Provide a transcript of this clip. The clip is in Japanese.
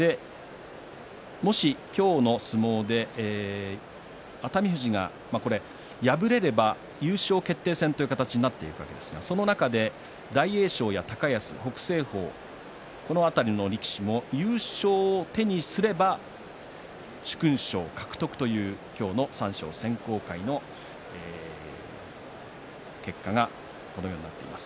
もし今日の相撲で熱海富士が敗れれば優勝決定戦という形になっていくわけですがその中で大栄翔や高安、北青鵬この辺りの力士も優勝を手にすれば殊勲賞を獲得という今日の三賞選考会の結果になってます。